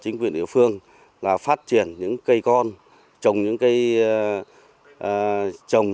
chính quyền địa phương là phát triển những cây con trồng những cây trồng